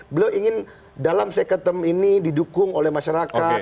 beliau ingin dalam second term ini didukung oleh masyarakat